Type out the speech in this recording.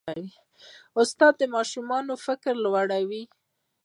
استاد د ماشوم فکر لویوي.